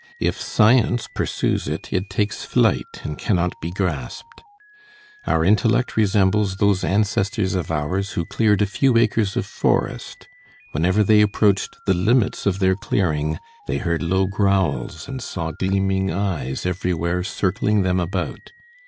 If science pursues it, it takes flight and cannot be grasped. Our intellect resembles those ancestors of ours who cleared a few acres of forest; whenever they approached the limits of their clearing they heard low growls and saw gleaming eyes everywhere circling them about.